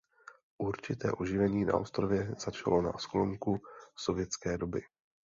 Určité oživení na ostrově začalo na sklonku sovětské doby.